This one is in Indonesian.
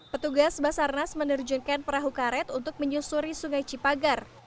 petugas basarnas menerjunkan perahu karet untuk menyusuri sungai cipagar